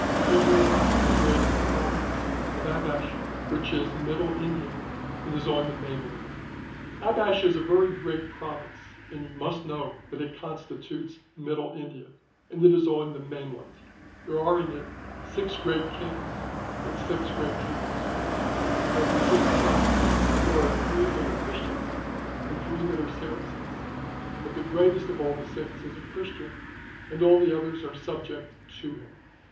Trfatino of thk Grkat Provinck ok AiiAsii WHICH IS Minni K INHIA, ANM) IS ON THI. M \IN LaNI>. Ah.vsm is ;i very great Province, antl von nuist know that it constitutes the Middle India: and it is on the main land, 'riierc are in it six great Kings with si\ great Chap. XXXV. THE KINGDOM OF ABASH. 361 Kingdoms ; and of these six Kings there are three that are Christians and three that are Saracens ; but the greatest of all the six is a Christian, and all the others are subject to him.'